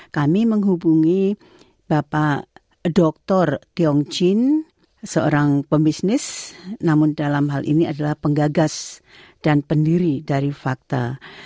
kami menghubungi bapak dr tiong chin seorang pebisnis namun dalam hal ini adalah penggagas dan pendiri dari fakta